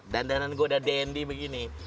dandanan gue udah dandy begini